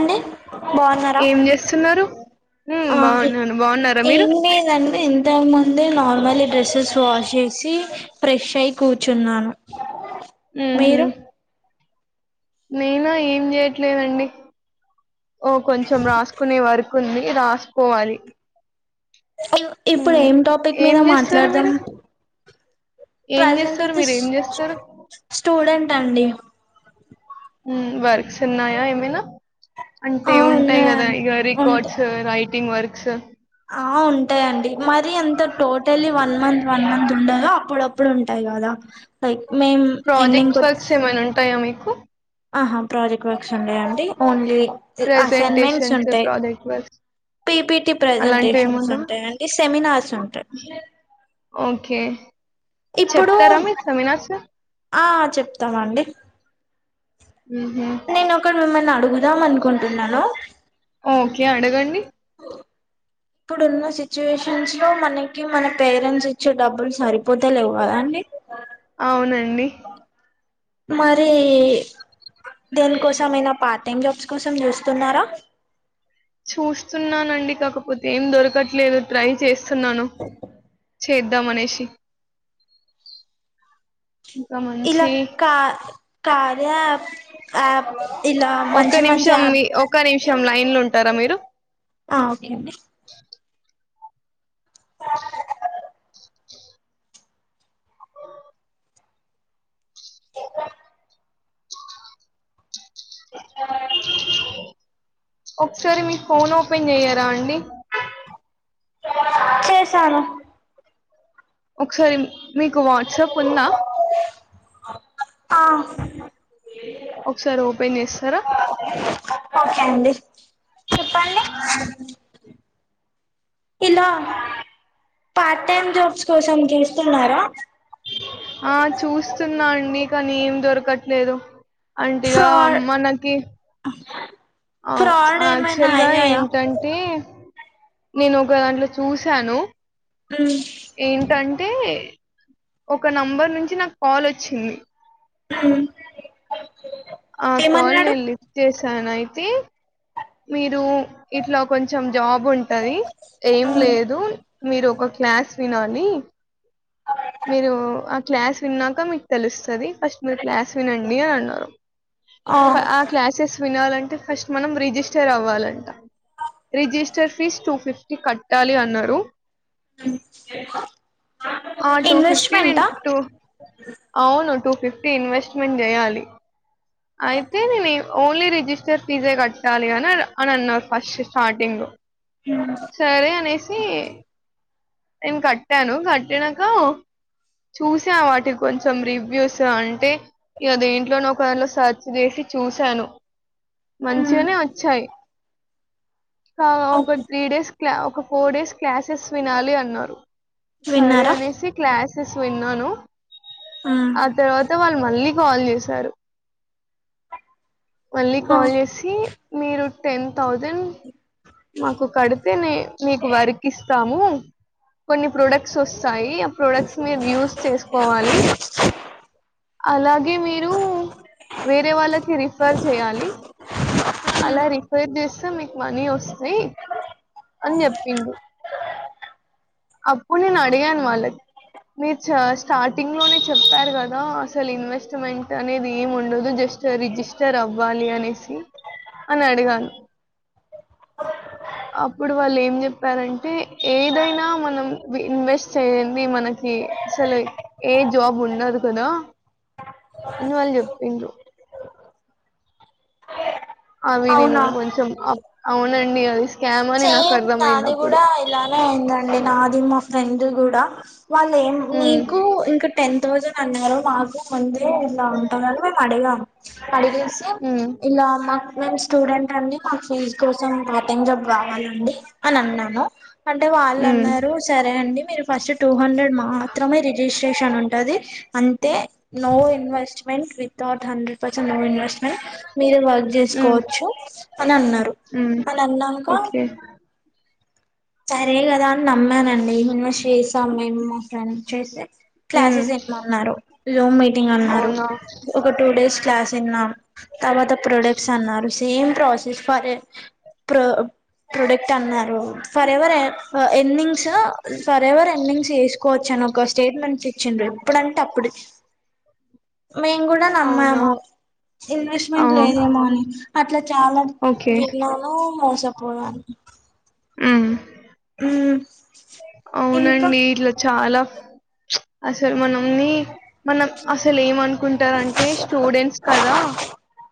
అండి బాగున్నారా? ఏం చేస్తున్నారు అ ఉమ్ ఎ బాగున్నాను బాగున్నారా మీరు ఏం లేదన్ డి. ఇంతక్ ముందే నార్మలి డ్రెస్సెస్ వాష్ చేసి ఫ్రెష్ అయి కూర్చున్నాను ఉహు మీరు నేనా ఏం చేయట్లేదండి ఓ కొంచెం రాసుకునే వర్క్ ఉంది రాస్కోవాలి హలో ఇప్పుడు ఏం టాపిక్ మీద ఏం చేస్తారు మాట్లాడదాం? మీరు ఏం ప్రజెంట్ చేస్తారు అయితే మీరు స్ ఏం చేస్తారు స్ స్టూడెంట్ అండి. ఉమ్ వర్క్స్ ఉన్నాయా ఏమైనా? ఆ అంటె ఉంటాయి గదా ఉన్నాయండి ఇగ ఉంటా రికార్డ్స్ రైటింగ్ వర్క్స్ ఆ ఉంటయి అండి మరి అంత totally one month one month ఉండదు అప్పుడుప్పుడు ఎప్పుడు ఉంటాయి గదా లైక్ మేం ఎండింగ్ ప్రాజెక్ట్ కొచ్ వర్క్స్ ఏమైనా ఉంటాయా మీకు ఆహా ప్రాజెక్ట్ వర్క్స్ ఉండయండి ఓన్లీ అసైన్మెంట్స్ ప్రజెంటేషన్స్ ఉంటాయి ప్రాజెక్ట్ వర్క్స్ పిపిటి అలాంటివి ప్రజెంటేషన్స్ ఏముండవా ఉంటాయి అండి సెమినార్స్ ఉంటాయి ఓకే ఇప్పుడు చెప్తారా మీరు సెమినార్స్ ఆ చెప్తామండి ఉహు నేను ఒకటి మిమ్మల్ని అడు ఓకే అడగండి ఇప్పుడు ఉన్న సిచ్యువేషన్స్ లో మనకి మన పేరెంట్స్ ఇచ్చే డబ్బులు సరిపోత లేవు కదా అండి అవునండి మరీ దేని కోసంమయినా పార్ట్ టైమ్ జాబ్స్ కోసం చూస్తున్నారా చూస్తున్నానండి కాకపోతే ఏం దొరకట్లేదు ట్రై చేస్తున్నాను చేద్దమనేషి ఇలా కా కార్య యాప్ ఇలా ఒక్క మంచి మంచి నిమిషం యాప్ మీ ఒక్క నిమిషం లైన్లో ఉంటారా మీరు ఆ ఓకే అండి ఒకసారి మీ ఫోన్ ఓపెన్ చెయరాండి చేశాను ఒకసారి మీకు వాట్సాప్ ఉందా ఆ ఒకసారి ఓపెన్ చేస్తారా ఓకే అండి చెప్పండి ఇలా పార్ట్ టైమ్ జాబ్స్ కోసం చూస్తున్నారా ఆ చూస్తున్నా అండి కానీ ఏం దొరకట్లేదు అంటిగా ఫ్రాడ్ మనకి ఫ్రాడ్ ఏమైనా యాక్చువల్ గా అయ్యాయా ఏంటంటే నేను ఒక దాంట్లో చూసాను ఉమ్ ఏంటంటే ఒక నంబర్ నుంచి నాకు కాల్ వచ్చింది ఉమ్ ఆ కాల్ ఏమన్నాడు నేను లిఫ్ట్ చేశాను అయితే మీరు ఇట్ల కొంచెం జాబ్ ఉంటది ఏం ఉమ్ లేదు మీరు ఒక క్లాస్ వినాలి మీరు ఆ క్లాస్ విన్నాక మీకు తెలుస్తది ఫస్ట్ మీరు క్లాస్ వినండి అని అన్నారు ఆ క్లాసెస్ వినాలం టే ఫస్ట్ మనం రిజిస్టర్ అవ్వాలంట రిజిస్టర్ ఫీజు టూ ఫిఫ్టీ కట్టాలి అన్నరు ఆ టూ ఫిఫ్నే నిన్ ఇన్వెస్ట్మెంటా టూ అవును టూ ఫిఫ్టీ ఇన్వెస్ట్మెంట్ చేయాలి అయితే నేను ఓన్లీ రిజిస్టర్ ఫీజే కట్టాలి అని అన అన్నారు ఫస్ట్ స్టార్టింగ్ లో సరే అనేసి నేను కట్టాను కట్టినంక చూసా వాటికి కొంచెం రివ్యూస్ అంటే ఇగ దేంట్లోనో ఒక దాంలో సెర్చ్ చేసి చూశాను ఉమ్ మంచిగనే వచ్చాయి ఒక ఓకే త్రీ డేస్ క్లా ఒక ఫోర్ డేస్ క్లాసెస్ వినాలి అన్నారు సరే విన్నారా అనేసి క్లాసెస్ విన్నాను ఉమ్ ఆ తర్వాత వాళ్ మళ్ళీ కాల్ చేశారు మళ్ళీ ఆ, కాల్ చేసి మీరు టెన్ థౌజండ్ మాకు కడితే నె మీకు వర్క్ ఇస్తాము కొన్ని ప్రోడక్ట్స్ వస్తాయి ఆ ప్రొడక్ట్స్ మీరు యూస్ చేసుకోవాలి అలాగే మీరు వేరే వాళ్ళకి రిఫర్ చేయాలి అలా రిఫిర్ చేస్తా మీ మనీ వస్తయ్ అని చెప్పిండు అప్పుడు నేను అడిగాను వాళ్ల మీరు చ స్టార్టింగ్ లోనే చెప్పారు కదా అసలు ఇన్వెస్ట్మెంట్ అనేది ఏం ఉండదు జస్ట్ స్ట్ రిజిస్టర్ అవ్వాలి అనేసి అని అడిగాను అప్పుడు వాళ్ళు ఏం చెప్పారంటే ఏ ఏదైనా మనం ఇ-ఇన్వెస్ట్ చేయంది మనకి అసలు ఏ జాబ్ ఉండదు కదా అని వాళ్లు చెప్పిండ్రు అవి నేను అవునా కొంచెం అవ్ అవునండి అది స్కామ్ అని నా సేమ్ నాది కూడా ఇలానే అయిందండి నాది మా ఫ్రెండ్ కూడా వాళ్ళ ఏం ఉమ్, మీకు ఇంకా టెన్ తౌసండ్ అన్నారు మాకు ముందే ఇలా ఉంటదని మేం అడిగాం అడిగెసి ఉమ్, ఇలా మాక్ మేము స్టూడెంట్ అండి మా ఫీజ్ కోసం పోర్టింగ్ జాబ్ కావాలండి అని అన్నాను అంటే వాళ్ళు ఉమ్, అన్నారు సరే అండి మీరు ఫస్ట్ టూ హండ్రెడ్ మాత్రమే రిజిస్ట్రేషన్ ఉం టది అంతే no investment without hundred percent no invest meant మీర్ వర్క్ ఉమ్, చేసుకోవచ్చు అని అన్నారు ఉమ్. ఆ అన్నంక ఓకే సరే కదా అని నమ్మానండి ఇన్వెస్ట్ చేసాం మేము మా ఫ్రెండ్ చేసే ఉమ్, క్లాసెస్ ఇనమన్నారు జూమ్ మీటింగ్ అన్నారు అవునా ఒక టూ డేస్ క్లాస్ ఇన్నాం తర్వాత ప్రొడక్ట్స్ అన్నారు ఏం ప్రాసెస్ ఫరె ప్రో-ప్రొడక్ట్ అన్నారు for ever earnings for ever earnings చేసుకోవచ్చు అని ఒకస్ స్టేట్మెంట్స్ ఇచ్చిండ్రు ఎప్పుడంటే అప్పుడు మేము కూడా అవునా నమ్మాము ఆ, ఇన్వెస్ట్మెంట్ లేదేమో అని అట్లా చాల ఓకే విన్నాము మోసపోయం మ్ మ్ అవునండి ఇట్లా చాలా అసలు మనంని మనం అసలు ఏమనుకుంటారంటే స్టూడెంట్స్ కదా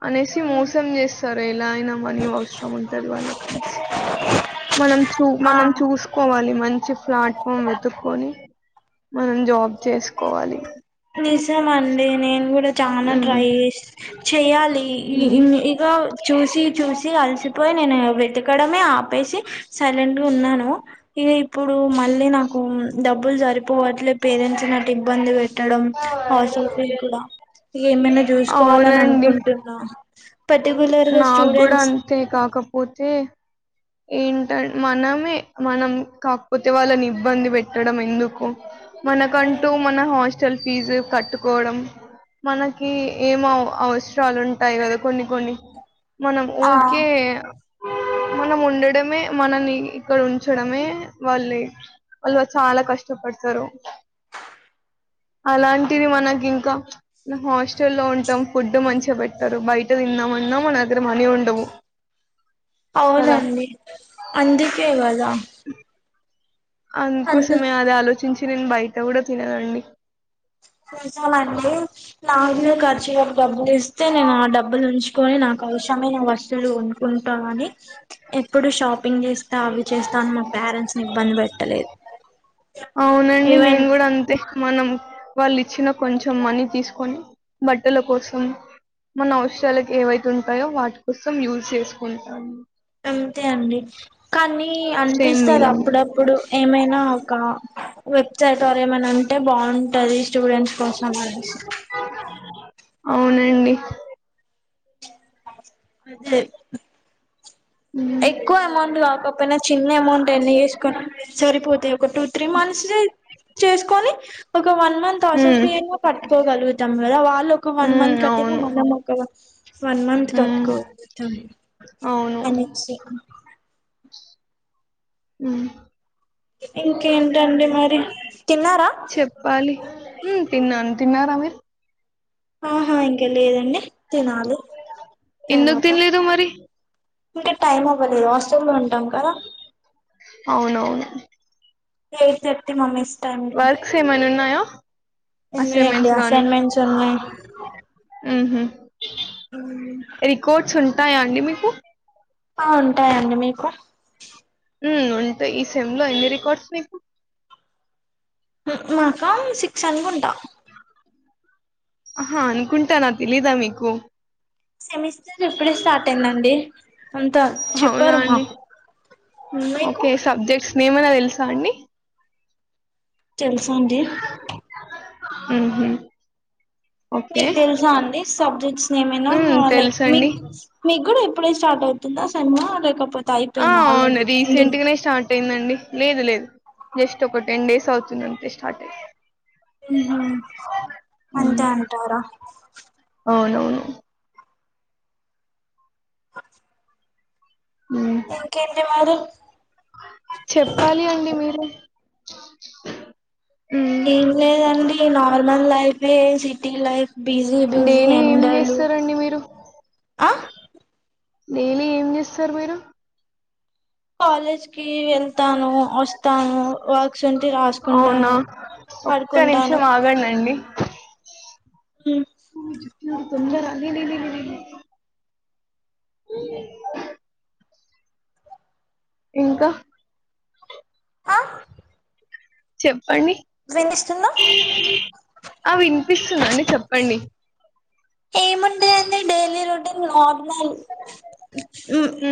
అనేసి మోసం చేస్తరు ఎలా అయినా మనీ అవసరం ఉంటది వాళ్ళకి అనేసి మనం చూ ఆ మనం చూసుకోవాలి మంచి ప్లాట్ఫామ్ వెతుక్కొని మనం జాబ్ చేసుకోవాలి తమండి నేను కూడా చనా ఉమ్ ట్రై చేస్ చెయాలి ఈ ఉమ్ ఇన్ని ఇగ చూసి చూసి ఆలిసిపోయి నేను వెతకడమే ఆపేసి సైలెంట్ గా ఉన్నాను ఇగా ఇప్పు ఇప్పుడు మళ్ళీ నాకు డబ్బులు సరిపోవట్లే పేరెంట్స్ నటు ఇబ్బంది పె ట్టడం హాస్టల్ ఫీ కూడా ఇగ ఏమైనా చూసుకోవాలని అనుకుంటున్నా పర్టికులర్ గా నాగుడ స్టూడెంట్స్ అంతే కాకపోతే ఏంటం మనమే మనం కాకపోతే వాళ్ళని ఇబ్బంది పెట్టడం ఎందుకు మనకంటూ మన హాస్టల్ ఫీజు కట్టుకోవడం మనకి ఏం అవసరాలు ఉంటాయి కదా కొన్ని కొన్ని మనం ఆ ఊకే మనం ఉండడమే మనల్ని ఇక్కడ ఉంచడమే వాళ్ళే వాళ్వ చాలా కష్టపడతారు అలాంటిది మనకి ఇంకా హాస్టల్ లో ఉంటాం ఫుడ్ మంచిగా పెట్టారు బయట తిందాం అన్న మన దగ్గర మణి ఉండవు కదా అవునండి అందుకే కదా అందు అందుకోసమే అది ఆలోచించి నేను బయట కూడా తినన్నండి ఇస్తం అండి నాక్ గుడ ఖర్చులకి డబ్బులిస్తే నేను ఆ డబ్బులు ఉంచుకొని నాకు అవసరమైన వస్తువులు కొనుక్కుంట అని ఎప్పుడు షాపింగ్ చేస్ స్తా అవి చేస్తా అని మా పేరెంట్స్ని ఇబ్బంది పెట్టలేదు. అవునండి ఈవెన్ నేను కూడా అంతే మనం వాళ్ళు ఇచ్చిన కొంచం మనీ తీస్కొని బట్టల కోసం మన అవసరాలక్ ఏవైతే ఉంటయో వాటి కోసం యూజ్ చేస్కుంటాం. అంతే అండి కానీ సేమ్ అనిపిస్తద్ మీలానే అప్పుడప్పుడు ఏమైనా కా వెచ్చేటోర్ ఏమైన ఉంటే బాగుంటది. స్టూడెంట్స్ కోసం అనేసి అవునండి. అదే మ్మ్ ఎక్కువ అమౌంట్ రాకపోయిన చిన్న అమౌంట్ ఎర్న్ చేస్కున్న సరిపోతయి ఒక టూ త్రీ మంత్స్ చేస్కొని ఒక వన్ మంత్ హాస్టల్ మ్మ్ ఫీ అయినా కట్టుకోగలుగుతాం కదా వాళ్ళు ఒక వన్ మ్మ్ మంత్ కట్టినా అవును మనం ఒక వన్ వన్ మంత్ మ్మ్ కట్టుకోవచ్చు అవును అని మ్ ఇంకేంటండి మరి తిన్నారా చెప్పాలి హ్ తిన్నాను తిన్నారా మీరు? ఆహా ఇంక లేదండి తినాలి ఎందుకు తర్వాత తినలేదు మరి ఇప్పుడే టైమ్ అవ్వలేదు హాస్టలో ఉన్ అవునవును. ఎయిట్ థర్టీ మమ్మీస్ వర్క్స్ ఏమైనా ఉన్నాయా ఉన్నయ్ అండి అసైన్మెంట్స్ అసైన్మెంట్స్ ఉన్నయి. మ్ హ్ అవునా టాయా అండి మీకు ఆ ఉంటాయండి, మీకు? మ్ ఉంటయి. ఈ సెమ్లో ఎన్ని రికార్డ్స్ నీకు మ్ మాక సిక్స్ అనుకుంటా అహ అనుకుంటానా తెలీదా మీకు సెమిస్టర్ ఇప్పుడే స్టార్ట్ అయిందండి. అంత అవునా చెప్పరు అండి మాకు మీకు వేమన తెల్సా అండి. తెల్సండి. మ్ హ్ మీక్ తెల్సా అండి సబ్జెక్ట్స్ ఏమైనా హ్మ్ ఆ లైక్ తెలుసండి మీక్ మీక్ గుడా ఇప్పుడే స్టార్ట్ అవుతుంద సెమ్ లేకపో ఆ అవును రీసెంట్గనే స్టార్ట్ అయిందండి. లేదు లేదు జస్ట్ ఒక టెన్ డేస్ అవుతుందంతే స్టార్ట్ అయి మ్ హ్ హ్మ్ అంతే అంటారా అవునవును హ్మ్ ఇంకేంది మరి చెప్పాలి అండి మీరే హ్మ్ ఏం లేదండి నార్మల్ లైఫే city life. Busy busy daily ఏం ఎండలు చేస్తారండి మీరు డైలీ ఏం చేస్తరు మీరు? కాలేజ్కీ ఎళ్తాను. వోస్తాను వర్క్స్ ఉంటె అవునా రాసుకుంటాను ఒక్క పడుకుంటాను నిమిషం ఆగండండి మ్ తొందర ఇంకా ఆ చెప్పండి వినిస్తుందా ఆ విన్పిస్తుందండి చెప్పండి.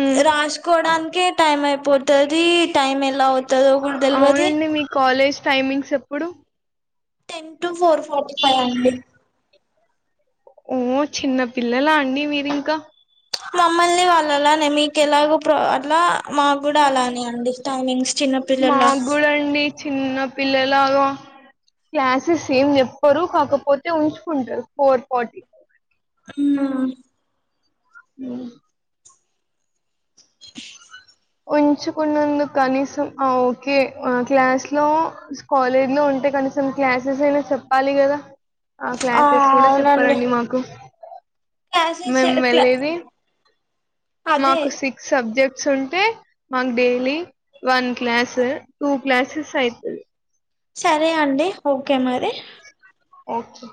ఉమ్ రాస్కోడానికే టైమైపో పోతదీ టైమేలా అవ్తదో కూడా తెల్వది అవునండి మీ కాలేజ్ టైమింగ్స్ ఎప్పుడు ten to four forty five అండి ఓ చిన్న పిల్లలా అండి మీరింకా మమ్మల్ని వాళ్ళలానే మీకు ఎలాగో ప్ర అట్లా మా కూడా అలానే అండి టైమింగ్స్ చిన్నపిల్లల మాకు కూడా అండి చిన్న పిల్లలాగా క్లాసెస్ ఏం జేప్పరు కాకపోతే ఉంచుకుంటారు ఫోర్ ఫార్టీ ఆహ్ ఉహ్ ఉంచుకున్నందు కనీసం ఆ ఓకే క్లాస్లో కాలేజ్లో ఉంటే క కొసం క్లాసెసైనా చెప్పాలి కదా ఆ క్లాసెస్ కూడా చెప్పారండి మాకు క్లాసెస్ మేము క్లా వెళ్ళేది అదే మాకు సిక్స్ సబ్జెక్ట్ స్ ఉంటే మాకు daily one class two classes అయితయి సరే అండి ఓకే మరి ఓకే